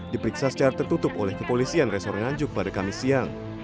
diperiksa secara tertutup oleh kepolisian resor nganjuk pada kamis siang